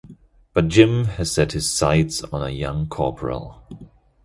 But Jim has set his sights on a young corporal.